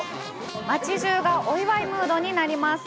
街中がお祝いムードになります。